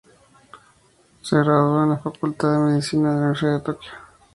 Se graduó de la facultad de Medicina de la Universidad de Tokio.